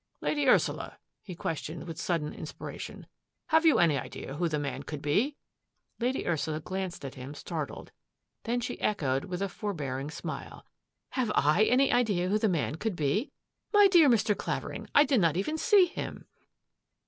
" Lady Ursula," he questioned, with sudden in spiration, " have you any idea who the man could be?'' Lady Ursula glanced at him, startled. Then she echoed, with a forbearing smile, " Have I any idea who the man could be? My dear Mr. Claver ing, I did not even see him